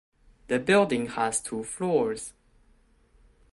The building has two floors.